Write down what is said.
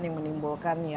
yang menimbulkan ya